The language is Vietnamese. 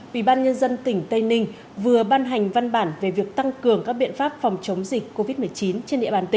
bị ban nhân dân tỉnh tây ninh vừa ban hành văn bản về việc tăng cường các biện pháp phòng chống dịch